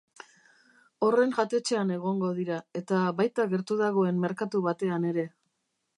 Horren jatetxean egongo dira, eta baita gertu dagoen merkatu batean ere.